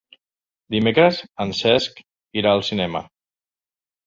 Dimecres en Cesc irà al cinema.